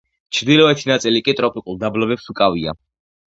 ჩრდილოეთი ნაწილი კი ტროპიკულ დაბლობებს უკავია.